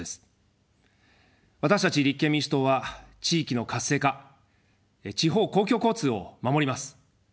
私たち立憲民主党は地域の活性化、地方公共交通を守ります。